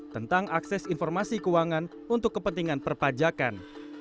tentang akses informasi keuangan untuk kepentingan perpajakan